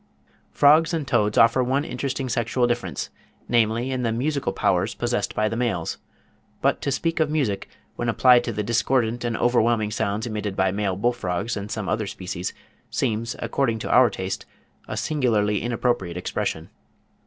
Frogs and toads offer one interesting sexual difference, namely, in the musical powers possessed by the males; but to speak of music, when applied to the discordant and overwhelming sounds emitted by male bull frogs and some other species, seems, according to our taste, a singularly inappropriate expression.